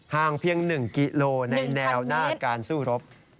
ห่างเพียงหนึ่งกิโลในแนวหน้าการสู้รบ